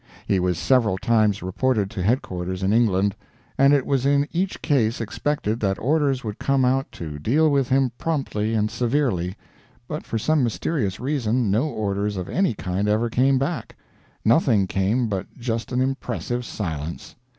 He was several times reported to headquarters in England, and it was in each case expected that orders would come out to deal with him promptly and severely, but for some mysterious reason no orders of any kind ever came back nothing came but just an impressive silence.